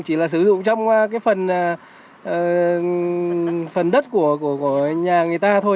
chỉ là sử dụng trong cái phần đất của nhà người ta thôi